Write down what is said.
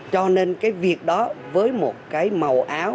cho nên cái việc đó với một cái màu áo